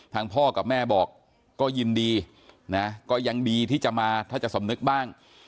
พ่อกับแม่บอกก็ยินดีนะก็ยังดีที่จะมาถ้าจะสำนึกบ้าง